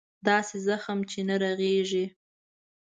داسې زخم چې نه رغېږي.